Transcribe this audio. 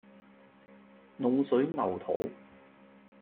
滷水牛肚